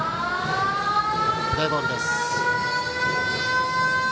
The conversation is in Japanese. プレーボールです。